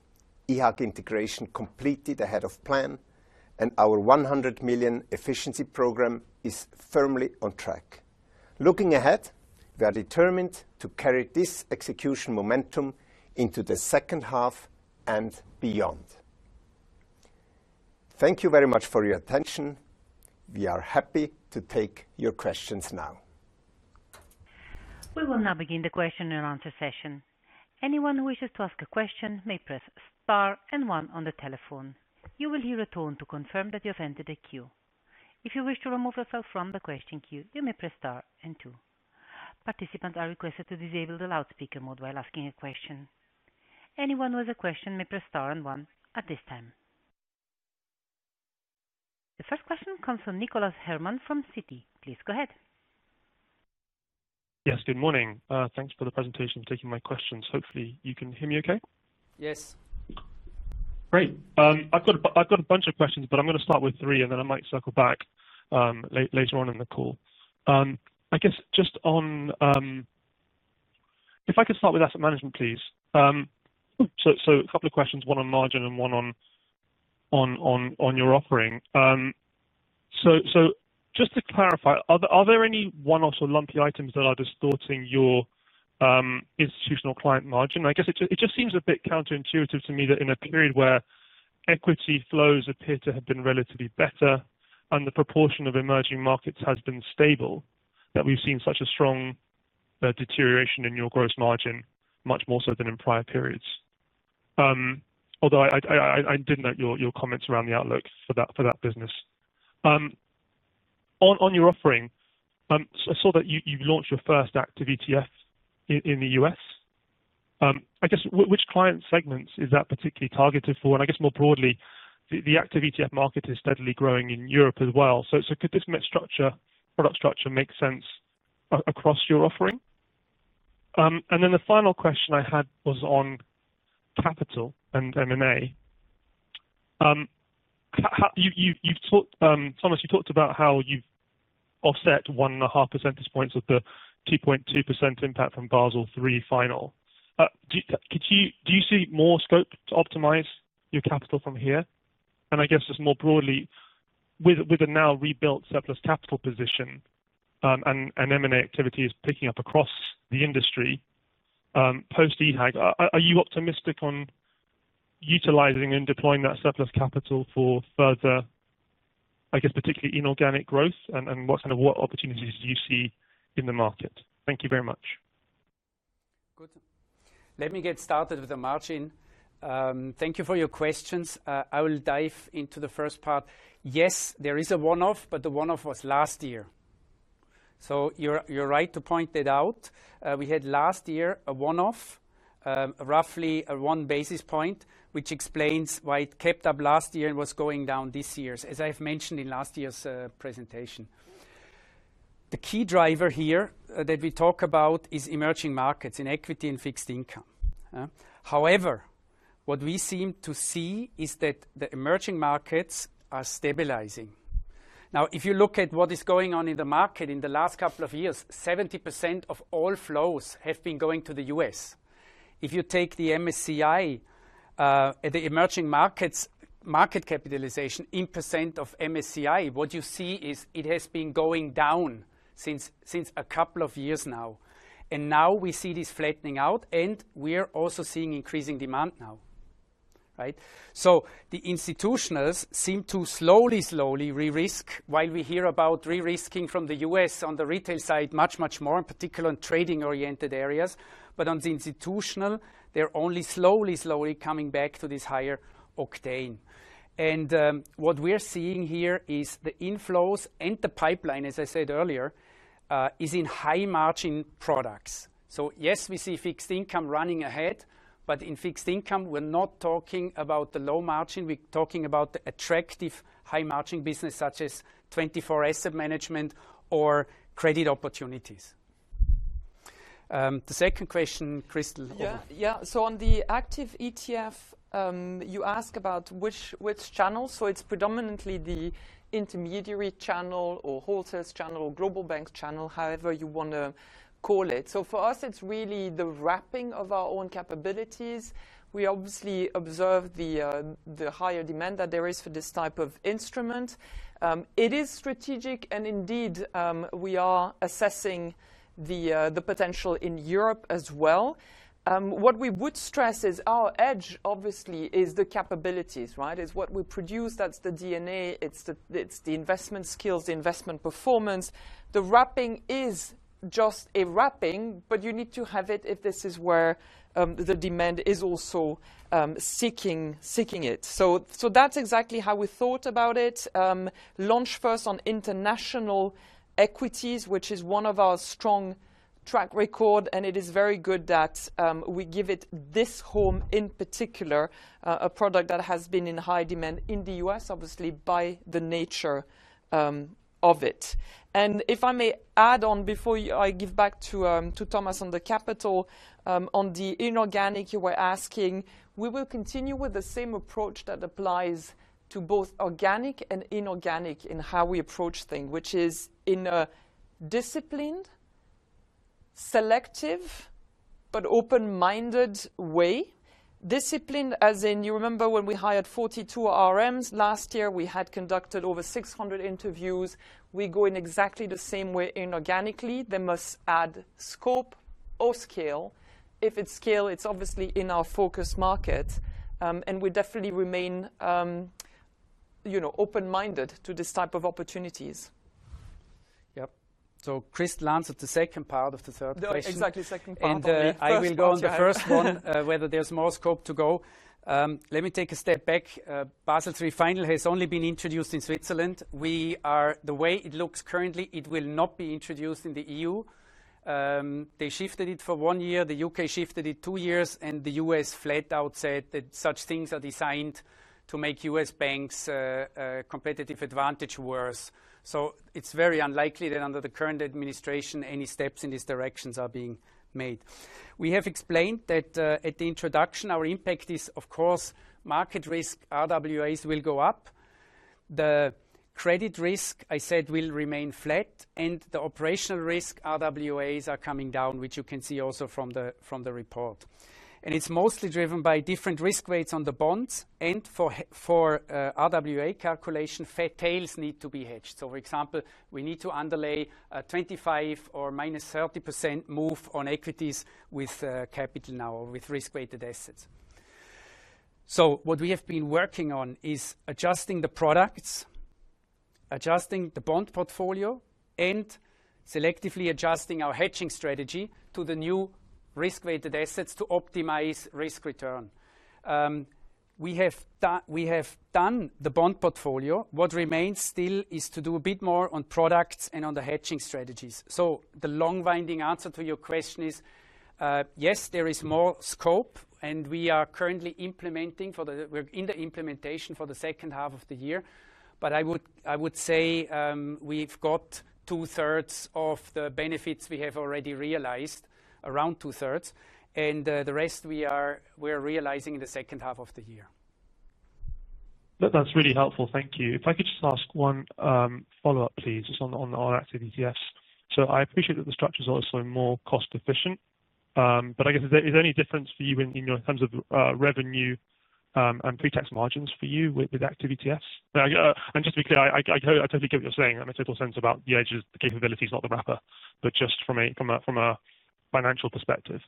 S3: eHAG integration completed ahead of plan and our 100 million efficiency program is firmly on track. Looking ahead, we are determined to carry this execution momentum into the second half and beyond. Thank you very much for your attention. We are happy to take your questions now.
S1: We will now begin the question and answer session. Anyone who wishes to ask a question may press and one on the telephone. You will hear a tone to confirm that you have entered the queue. If you wish to remove yourself from the question queue, you may press star and two. Participants are requested to disable the loudspeaker mode while asking a question. The first question comes from Nicolas Herman from Citi. Please go ahead.
S5: Yes, good morning. Thanks for the presentation and taking my questions. Hopefully, you can hear me okay?
S4: Yes.
S5: Great. I've got a bunch of questions, but I'm going to start with three, and then I might circle back later on in the call. I guess just on if I could start with asset management, please. So so a couple of questions, one on margin and one on on on your offering. So so just to clarify, are there are there any one offs or lumpy items that are distorting your institutional client margin? I guess it just seems a bit counterintuitive to me that in a period where equity flows appear to have been relatively better and the proportion of emerging markets has been stable, that we've seen such a strong deterioration in your gross margin much more so than in prior periods. Although I didn't know your comments around the outlook for that business. On your offering, I saw that you launched your first active ETF in The US. I guess, which client segments is that particularly targeted for? And I guess more broadly, the active ETF market is steadily growing in Europe as well. So could this mix structure, product structure, make sense across your offering? And then the final question I had was on capital and M and A. You've talked Thomas, you talked about how you've offset 1.5 percentage points of the 2.2% impact from Basel III final. Could you do you see more scope to optimize your capital from here? And I guess just more broadly, with the now rebuilt surplus capital position and M and A activity is picking up across the industry post EHAG, are you optimistic on utilizing and deploying that surplus capital for further, I guess, particularly inorganic growth? And what kind of what opportunities do you see in the market? Thank you very much.
S4: Good. Let me get started with the margin. Thank you for your questions. I will dive into the first part. Yes, there is a one off, but the one off was last year. So you're right to point that out. We had last year a one off roughly one basis point, which explains why it kept up last year and was going down this year, as I have mentioned in last year's presentation. The key driver here that we talk about is emerging markets in equity and fixed income. However, what we seem to see is that the emerging markets are stabilizing. Now if you look at what is going on in the market in the last couple of years, 70% of all flows have been going to The U. S. If you take the MSCI the emerging markets market capitalization in percent of MSCI, what you see is it has been going down since a couple of years now. And now we see this flattening out and we are also seeing increasing demand now, right? So the institutional seem to slowly, slowly re risk while we hear about re risking from The U. S. On the retail side much, much more in particular in trading oriented areas. But on the institutional, they're only slowly, slowly coming back to this higher octane. And what we're seeing here is the inflows and the pipeline, as I said earlier, is in high margin products. So yes, we see fixed income running ahead. But in fixed income, we're not talking about the low margin. We're talking about the attractive high margin business such as 24 Asset Management or credit opportunities. The second question, Kristal?
S2: Yes. So on the active ETF, you asked about which channels, so it's predominantly the intermediary channel or wholesale channel or global bank channel, however you want to call it. So for us, it's really the wrapping of our own capabilities. We obviously observed the higher demand that there is for this type of instrument. It is strategic and indeed we are assessing the potential in Europe as well. What we would stress is our edge, obviously, is the capabilities, right? It's what we produce, that's the DNA, it's the investment skills, the investment performance. The wrapping is just a wrapping, but you need to have it if this is where the demand is also seeking it. So that's exactly how we thought about it. Launch first on international equities, which is one of our strong track record and it is very good that we give it this home in particular, a product that has been in high demand in The U. S, obviously, by the nature of it. And if I may add on before I give back to Thomas on the capital, on the inorganic you were asking, we will continue with the same approach that applies to both organic and inorganic in how we approach things, which is in a disciplined, selective but open minded way. Disciplined, as in you remember when we hired 42 RMs last year, we had conducted over 600 interviews. We go in exactly the same way inorganically. They must add scope or scale. If it's scale, it's obviously in our focus market. And we definitely remain open minded to this type of opportunities.
S4: Yes. So Chris answered the second part of the third No, exactly second part I of the will go on the first one whether there's more scope to go. Let me take a step back. Basel III final has only been introduced in Switzerland. We are the way it looks currently, it will not be introduced in the EU. They shifted it for one year, The U. K. Shifted it two years and The U. S. Flat out said that such things are designed to make U. S. Banks competitive advantage worse. So it's very unlikely that under current administration any steps in these directions are being made. We have explained that at the introduction our impact is of course market risk RWAs will go up. The credit risk, I said, will remain flat and the operational risk RWAs are coming down, which you can see also from the report. And it's mostly driven by different risk weights on the bonds. And for RWA calculation, fair tails need to be hedged. So for example, we need to underlay 25% or minus 30% move on equities with capital now or with risk weighted assets. So what we have been working on is adjusting the products, adjusting the bond portfolio and selectively adjusting our hedging strategy to the new risk weighted assets to optimize risk return. We have done the bond portfolio. What remains still is to do bit more on products and on the hedging strategies. So the long winding answer to your question is, yes, there is more scope and we are currently implementing for the we're in the implementation for the second half of the year. But I would say, we've got two thirds of the benefits we have already realized around two thirds and the rest we are realizing in the second half of the year.
S5: That's really helpful. If I could just ask one follow-up, please, just on Active So I appreciate that the structure is also more cost efficient. But I guess is there any difference for you in terms of revenue and pretax margins for you with with Active ETFs? And just to be clear, I I totally totally get what you're saying. I have a total sense about the edge's capabilities, not the wrapper, but just from a from a from a financial perspective.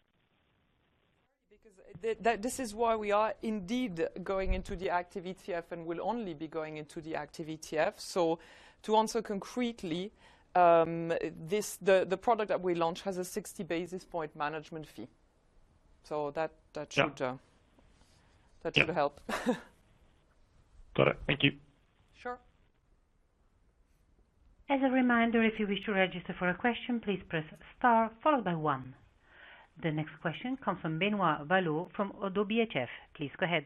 S2: This is why we are indeed going into the active ETF and will only be going into the active ETF. So to answer concretely, the product that we launched has a 60 basis point management fee. Got So should
S5: it. Thank you.
S6: Sure.
S1: The next question comes from Benoit Ballot from ODDO BHF. I
S7: have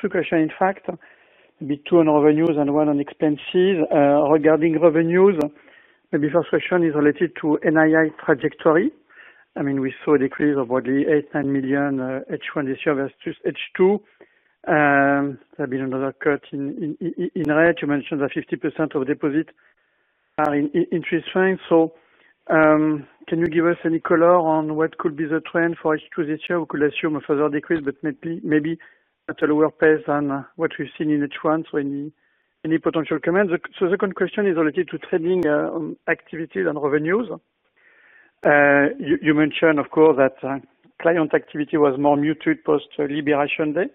S7: two questions, in fact, between revenues and one on expenses. Regarding revenues, maybe first question is related to NII trajectory. I mean we saw a decrease of what the EUR $89,000,000 H1 this year versus H2. There have been another cut in NII. You mentioned that 50% of deposit are in interest rates. So can you give us any color on what could be the trend for each position? We could assume a further decrease, but maybe at a lower pace than what we've seen in H1. So any potential comments? So the second question is related to trading activities and revenues. You mentioned, of course, that client activity was more muted post LibriA Sunday.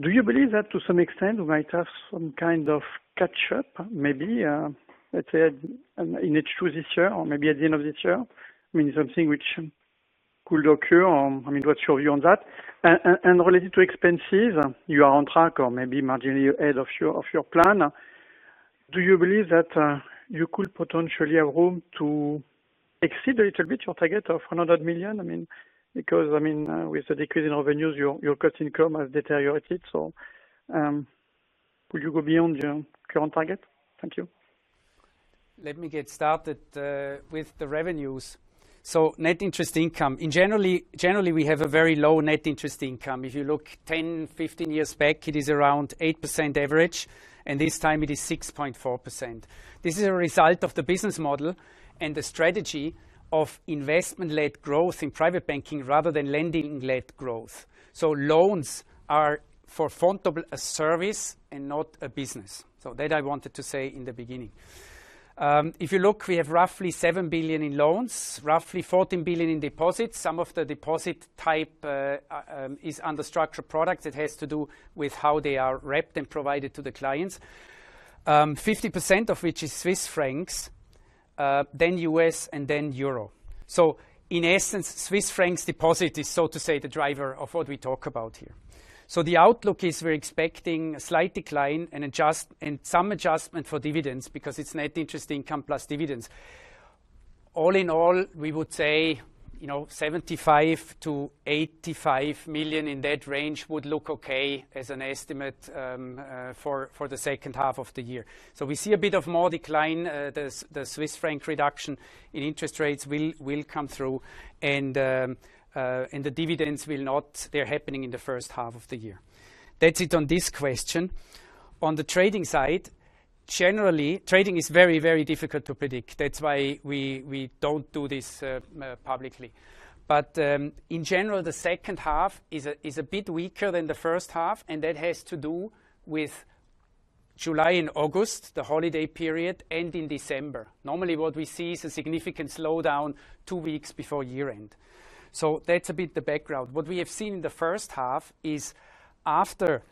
S7: Do you believe that, to some extent, we might have some kind of catch up maybe, let's say, in H2 this year or maybe at the end of this year? I mean, something which could occur. I mean, what's your view on that? And related to expenses, you are on track or maybe marginally ahead of your plan. Do you believe that you could potentially have room to exceed a little bit your target of 100,000,000? I mean because, I mean, with the decrease in revenues, cost income has deteriorated. So could you go beyond your current target? Thank you.
S4: Let me get started with the revenues. So net interest income, generally, we have a very low net interest income. If you look ten, fifteen years back, it is around 8% average and this time it is 6.4%. This is a result of the business model and the strategy of investment led growth in Private Banking rather than lending led growth. So loans are for Fontobel a service and not a business. So that I wanted to say in the beginning. If you look, we have roughly 7,000,000,000 in loans, roughly 14,000,000,000 in deposits. Some of the deposit type is under structured products. It has to do with how they are wrapped and provided to the clients, 50% of which is Swiss francs, then U. S. And then euro. So in essence Swiss francs deposit is so to say the driver of what we talk about here. So the outlook is we're expecting a slight decline and adjust and some adjustment for dividends because it's net interest income plus dividends. All in all, we would say 75,000,000 to €85,000,000 in that range would look okay as an estimate for the second half of the year. So we see a bit of more decline. The Swiss franc reduction in interest rates will come through and the dividends will not they're happening in the first half of the year. That's it on this question. On the trading side, generally trading is very, very difficult to predict. That's why we don't do this publicly. But in general, the second half is a bit weaker than the first half and that has to do with July and August, the holiday period and in December. Normally, we see is a significant slowdown two weeks before year end. So that's a bit the background. What we have seen in the first half is after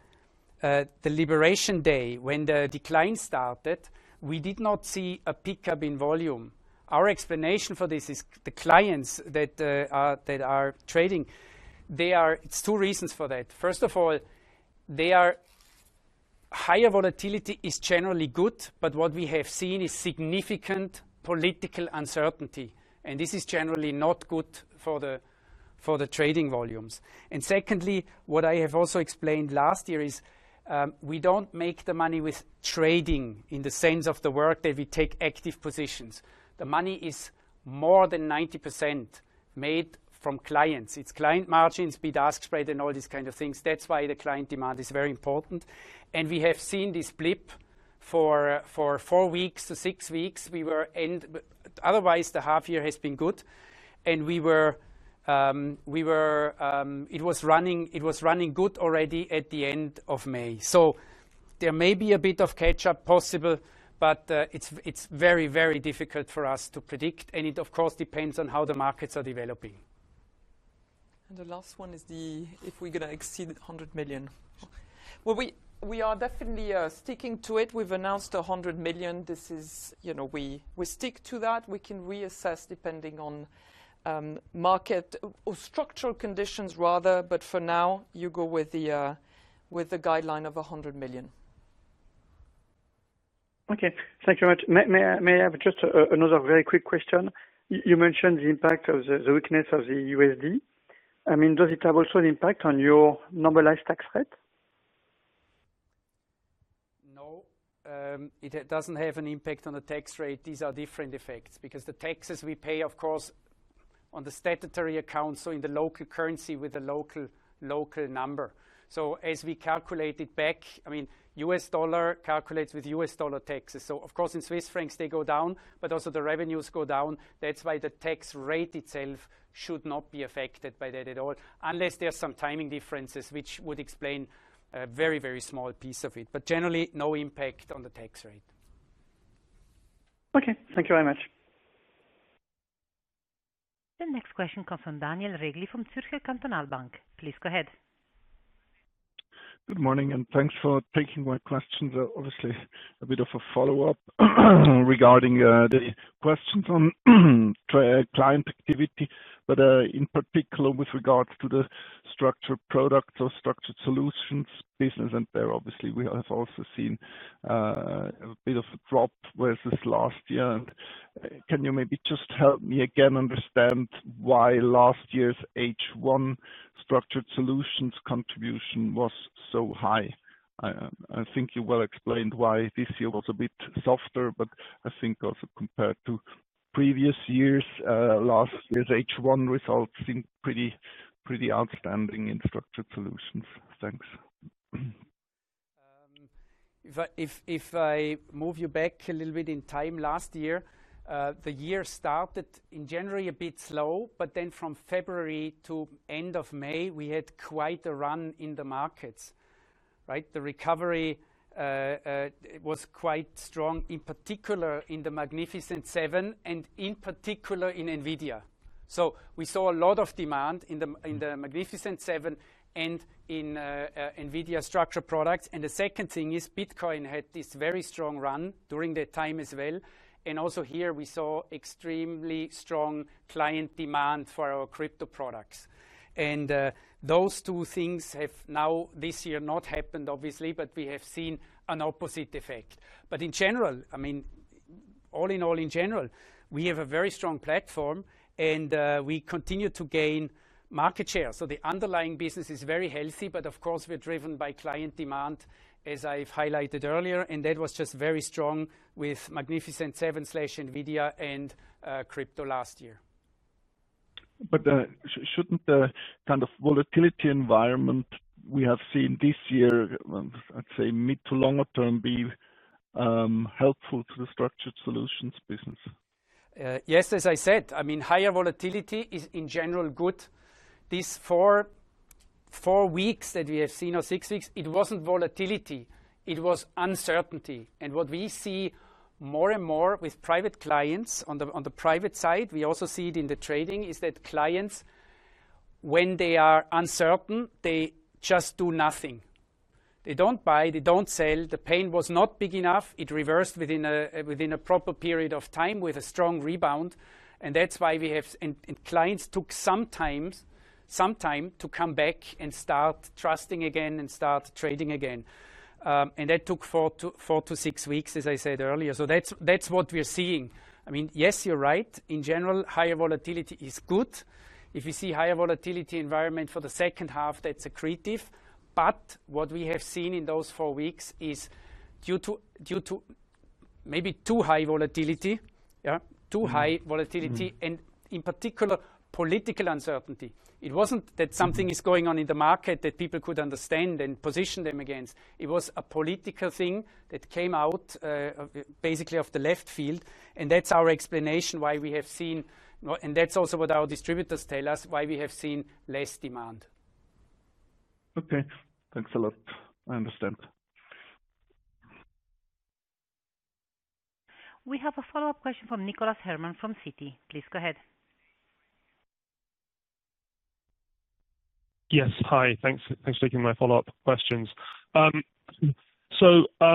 S4: the Liberation Day when the decline started, we did not see a pickup in volume. Our explanation for this is the clients that are trading. There are it's two reasons for that. First of all, they are higher volatility is generally good, but what we have seen is significant political uncertainty. And this is generally not good for the trading volumes. And secondly, what I have also explained last year is we don't make the money with trading in the sense of the work that we take active positions. The money is more than 90% made from clients. It's client margins, bid ask spread and all these kind of things. That's why the client demand is very important. And we have seen this blip for four weeks to six weeks. Were end the half year has been good. And we were it was running good already at the May. So there may be a bit of catch up possible, but it's very, very difficult for us to predict. And it, of course, depends on how the markets are developing.
S2: And the last one is the if we're going to exceed €100,000,000 Well, we are definitely sticking to it. We've announced €100,000,000 This is we stick to that. We can reassess depending on market or structural conditions rather. But for now, you go with the guideline of 100,000,000
S7: Okay. Thank you very much. May I have just another very quick question? You mentioned the impact of the weakness of the USD. I mean, does it have also an impact on your normalized tax rate?
S4: No. It doesn't have an impact on the tax rate. These are different effects, because the taxes we pay, of course, on the statutory accounts, so in the local currency with the local number. So as we calculate it back, I mean, S. Dollar calculates with U. S. Dollar taxes. So of course, in Swiss francs, they go down, but also the revenues go down. That's why the tax rate itself should not be affected by that at all, unless there are some timing differences, which would explain a very, very small piece of it. But generally, no impact on the tax rate.
S7: Okay. Thank you very much.
S1: The next question comes from Daniel Regli from Zurchel Continental Bank. Please go ahead.
S8: Obviously, a bit of a follow-up regarding the questions on client activity, but in particular, with regards to the structured products or structured solutions business. And there, obviously, we have also seen a bit of a drop versus last year. Can you maybe just help me again understand why last year's H1 structured solutions contribution was so high. I I think you well explained why this year was a bit softer, but I think also compared to previous years, last year's h one results seem pretty pretty outstanding in structured solutions? Thanks.
S4: If I move you back a little bit in time last year, the year started in January a bit slow, but then from February to May, we had quite a run-in the markets, right? The recovery was quite strong in particular in the Magnificent seven and in particular in NVIDIA. So we saw a lot of demand in the Magnificent seven and in NVIDIA structured products. And the second thing is bitcoin had this very strong run during that time as well. And also here we saw extremely strong client demand for our crypto products. And those two things have now this year not happened obviously, but we have seen an opposite effect. But in general, I mean, all in all in general, we have a very strong platform and we continue to gain market share. So the underlying business is very healthy, but of course, we're driven by client demand, as I've highlighted earlier. And that was just very strong with Magnificent sevenNVIDIA and crypto last year.
S8: But shouldn't the kind of volatility environment we have seen this year, let's say, to longer term, be helpful to the structured solutions business?
S4: Yes. As I said, I mean, volatility is in general good. These four weeks that we have seen or six weeks, it wasn't volatility, it was uncertainty. And what we see more and more with private clients on the private side, we also see it in the trading is that clients, when they are uncertain, they just do nothing. They don't buy. They don't sell. The pain was not big enough. It reversed within a proper period of time with a strong rebound. And that's why we have and clients took some time to come back and start trusting again and start trading again. And that took four to six weeks as I said earlier. So that's what we are seeing. I mean, yes, you're right. In general, higher volatility is good. If you see higher volatility environment for the second half that's accretive. But what we have seen in those four weeks is due to maybe too high volatility and in particular political uncertainty. It wasn't that something is going on in the market that people could understand and position them against. It was a political thing that came out basically of the left field. And that's our explanation why we have seen and that's also what our distributors tell us why we have seen less demand.
S8: Thanks a lot. I understand.
S1: We have a follow-up question from Nicolas Herrmann from Citi. Please go ahead.
S5: Yes. Hi. Thanks thanks for taking my follow-up questions. So I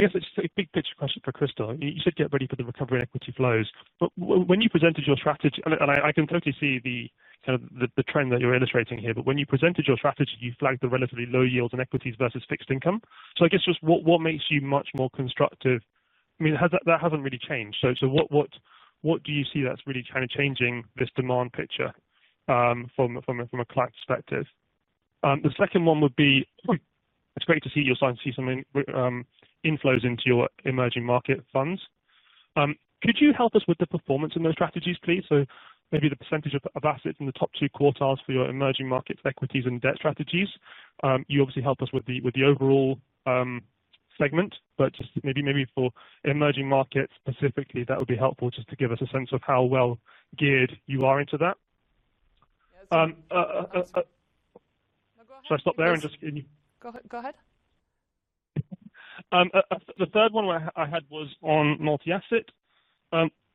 S5: guess it's a big picture question for Crystal. You you should get ready for the recovery equity flows. But when you presented your strategy and and I I can totally see the kind of the the trend that you're illustrating here. But when you presented your strategy, you flagged the relatively low yields and equities versus fixed income. So I guess just what what makes you much more constructive? I mean, has that that hasn't really changed. So so what what what do you see that's really kinda changing this demand picture from a from a from a client perspective? The second one would be it's great to see your sign see some inflows into your emerging market funds. Could you help us with the performance in those strategies, please? So maybe the percentage of of assets in the top two quartiles for your emerging markets equities and debt strategies. You obviously help us with the with the overall segment, but just maybe maybe for emerging markets specifically, that would be helpful just to give us a sense of how well geared you are into that. So I stop there and just
S1: ahead.
S5: The third one I I had was on multi asset.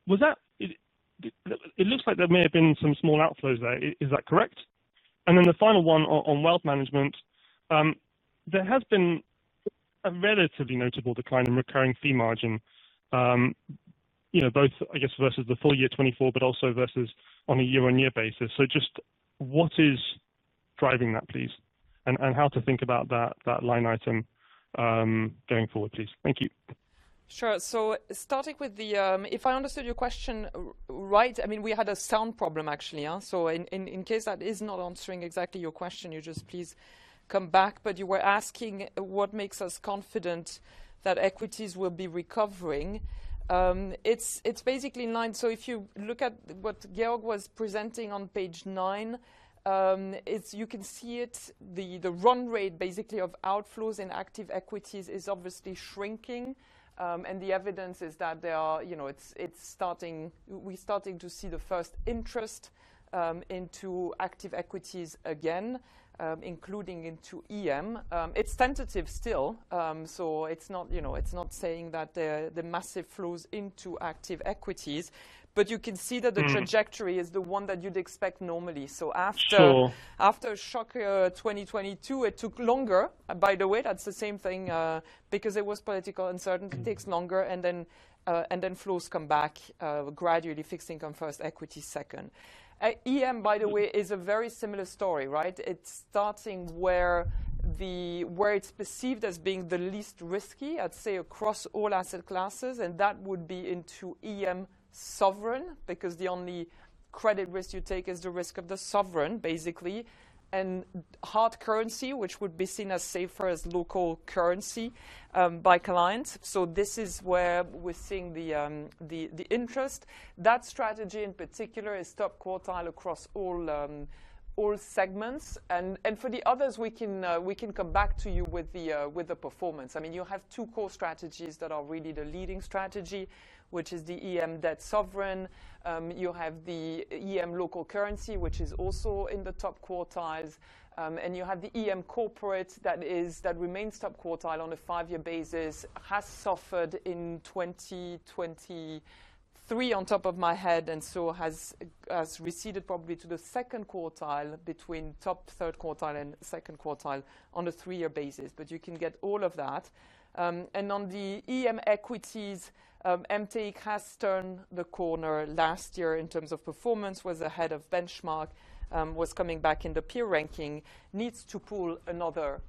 S5: Was that it looks like there may have been some small outflows there. Is that correct? And then the final one on wealth management, there has been a relatively notable decline in recurring fee margin, you know, both, I guess, versus the full year '24, but also versus on a year on year basis. So just what is driving that, please, and and how to think about that that line item going forward, please? Thank you.
S2: MARGHERITA Sure. So starting with the if I understood your question right, I mean, had a sound problem actually. So in case that is not answering exactly your question, you just please come back. But you were asking what makes us confident that equities will be recovering. It's basically in line. So if you look at what Georg was presenting on Page nine, you can see it, the run rate basically of outflows in active equities is obviously shrinking and the evidence is that they are it's starting we're starting to see the first interest into active equities again, including into EM. It's tentative still. So it's not saying that the massive flows into active equities, but you can see that the trajectory is the one that you'd expect normally. After shock year 2022, it took longer. By the way, that's the same thing because it was political uncertainty takes longer and then flows come back gradually, fixed income first, equity second. EM, by the way, is a very similar story, right? It's starting where it's perceived as being the least risky, I'd say, all asset classes and that would be into EM sovereign because the only credit risk you take is the risk of the sovereign and hard currency, which would be seen as safer as local currency by clients. So this is where we're seeing the interest. That strategy in particular is is top quartile across all segments. And for the others, can come back to you with the performance. I mean you have two core strategies that are really the leading strategy, which is the EM debt sovereign, you have the EM local currency, which is also in the top quartiles. And you have the EM corporate that remains top quartile on a five year basis has suffered in 2023 on top of my head and so has receded probably to the second quartile between top third quartile and second quartile on a three year basis, but you can get all of that. And on the EM equities, MTAEK has turned the corner last year in terms of performance, benchmark, was coming back in the peer ranking, needs to pull another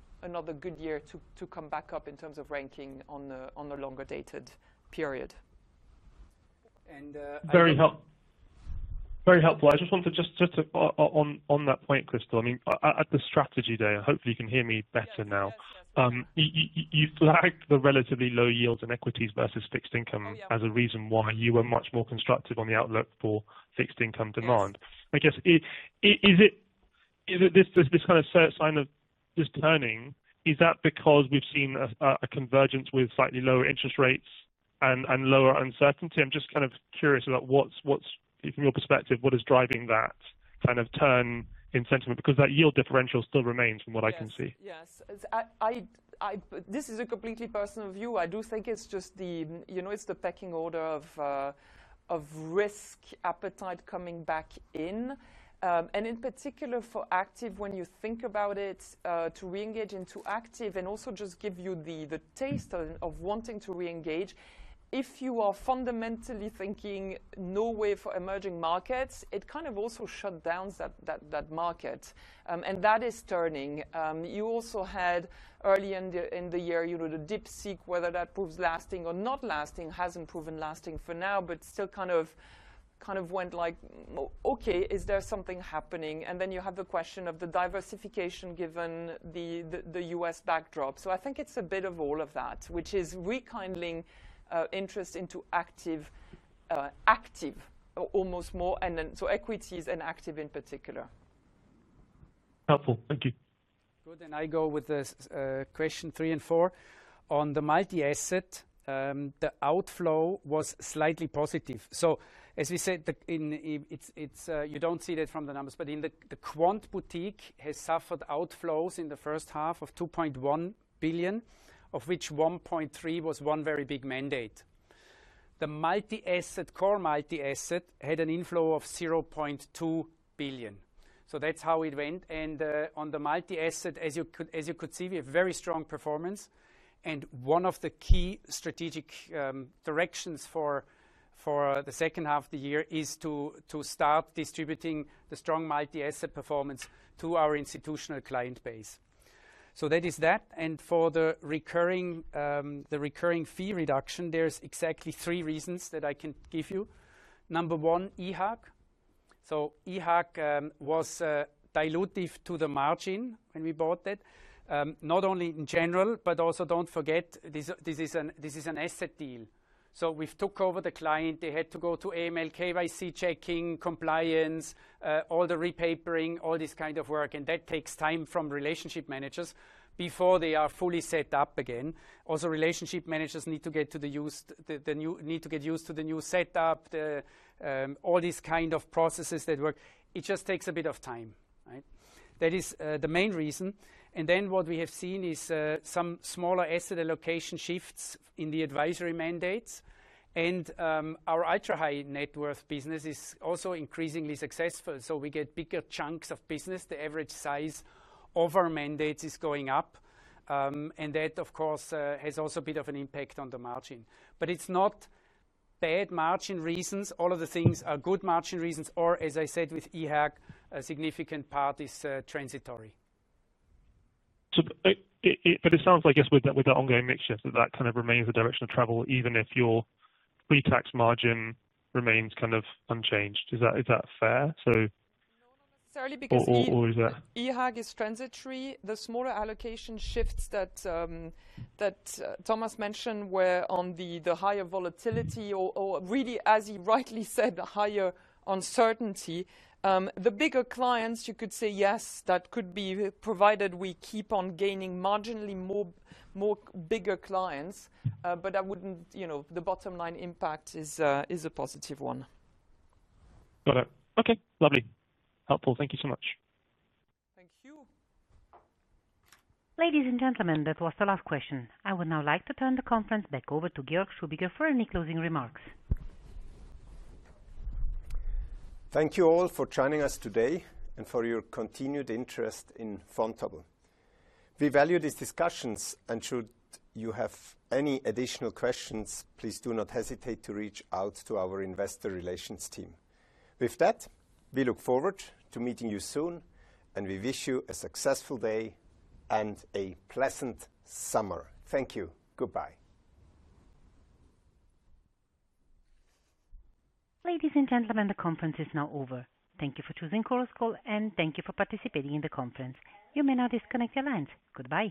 S2: good year to come back up in terms of ranking on the longer dated period.
S5: Very helpful. Just want to just on that point, Kristo, I mean, at the Strategy Day, hopefully you can hear me better now, flagged the relatively low yields in equities versus fixed income as a reason why you were much more constructive on the outlook for fixed income demand. I guess, is it this kind of sign of discerning, is that because we've seen a convergence with slightly lower interest rates and lower uncertainty? I'm just kind of curious about what's from your perspective, what is driving that kind of turn in sentiment because that yield differential still remains from what I Yes. Can
S2: is a completely personal view. I do think it's just the it's the pecking order of risk appetite coming back in. And in particular for active when you think about it to reengage into active and also just give you the taste of wanting to reengage. If you are fundamentally thinking no way for emerging markets, it kind of also shut down that market and that is turning. You also had early in the year the dip seek whether that proves lasting or not lasting hasn't proven lasting for now, but still kind of went like, okay, is there something happening? And then you have the question of the diversification given The U. S. Backdrop. So I think it's a bit of all of that, which is rekindling interest into active almost more and then so equities and active in particular.
S5: Helpful. Thank you.
S4: Good. And I go with the question three and four. On the multi asset, the outflow was slightly positive. So as we said, it's you don't see that from the numbers. But in the quant boutique has suffered outflows in the first half of 2,100,000,000.0, of which 1,300,000,000.0 was one very big mandate. The multi asset core multi asset had an inflow of 200,000,000.0. So that's how it went. And on the multi asset, as you could see, we have very strong performance. And one of the key strategic directions for the second half of the year is to start distributing the strong multi asset performance to our institutional client base. So that is that. And for the recurring fee reduction, there is exactly three reasons that I can give you. Number one, EHAG. So EHAG was dilutive to the margin when we bought it, not only in general, but also don't forget this is an asset deal. So we took over the client. They had to go to AML KYC checking, compliance, all the repapering, all this kind of work and that takes time from relationship managers before they are fully set up again. Also relationship managers need to get used to the new setup, all these kind of processes that work. It just takes a bit of time, right? That is the main reason. And then what we have seen is some smaller asset allocation shifts in the advisory mandates. And our ultra high net worth business is also increasingly successful. So we get bigger chunks of business. The average size of our mandate is going up and that of course has also a bit of an impact on the margin. But it's not bad margin reasons. All of the things are good margin reasons or as I said with EHAG, a significant part is transitory.
S5: But it sounds like, I guess, with the ongoing mix shift, that kind of remains the direction of travel even if your pretax margin remains kind of unchanged. Is that fair? So
S2: uncertainty. The bigger clients, you could say, yes, that could be provided we keep on gaining marginally more bigger clients. But I wouldn't the bottom line impact is a positive one.
S5: Got it. Okay, lovely. Helpful. Thank you so much.
S2: Thank you.
S1: Ladies and gentlemen, that was the last question. I would now like to turn the conference back over to Georg Schlubiger for any closing remarks.
S3: Thank you all for joining us today and for your continued interest in Fontable. We value these discussions and should you have any additional questions, please do not hesitate to reach out to our Investor Relations team. With that, we look forward to meeting you soon and we wish you a successful day and a pleasant summer. Thank you. Goodbye.
S1: Ladies and gentlemen, the conference is now over. Thank you for choosing Chorus Call, and thank you for participating in the conference. You may now disconnect your lines. Goodbye.